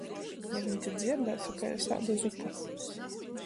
Ja viņ tu dzierdātu kai es ādu zupu...